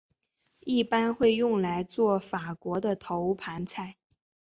一般会用来作法国菜的头盘菜。